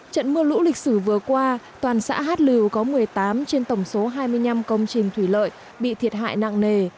trận mưa lũ lịch sử vừa qua toàn xã hát lưu có một mươi tám trên tổng số hai mươi năm công trình thủy lợi bị thiệt hại nặng nề